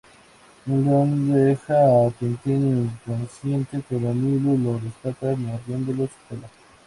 Un león deja a Tintín inconsciente, pero Milú lo rescata mordiendo su cola.